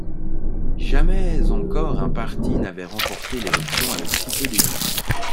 Jamais encore un parti n'avait remporté l'élection avec si peu d'élus.